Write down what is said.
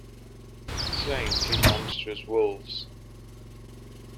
Slaying two monstrous wolves.